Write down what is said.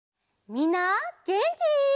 みんなげんき？